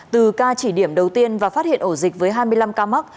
từ ca chỉ điểm đầu tiên và phát hiện ổ dịch với hai mươi năm ca mắc